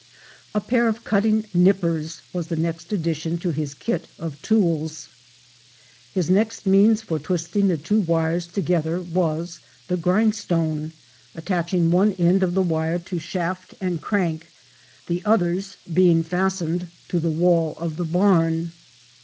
A pair of cutting nippers was the next addition to his "kit" of tools. His next means for twisting the two wires together was the grindstone—attaching one end of the wire to shaft and crank, the others being fastened to the wall of the barn.